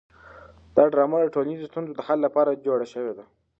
دا ډرامه د ټولنیزو ستونزو د حل لپاره جوړه شوې ده.